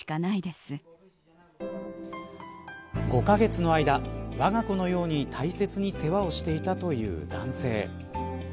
５カ月の間、わが子のように大切に世話をしていたという男性。